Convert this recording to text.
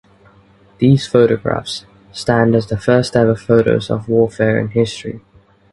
These photographs stand as the first ever photos of warfare in history.